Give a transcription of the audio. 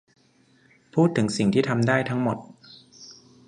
พูดถึงสิ่งที่ทำได้ทั้งหมด